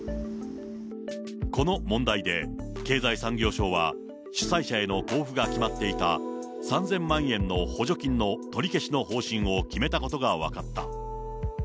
この問題で経済産業省は主催者への交付が決まっていた３０００万円の補助金の取り消しの方針を決めたことが分かった。